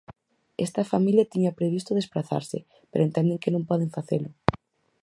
Esta familia tiña previsto desprazarse, pero entenden que non poden facelo.